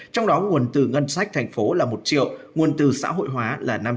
trong đó nguồn từ ngân sách thành phố là một triệu nguồn từ xã hội hóa là năm trăm linh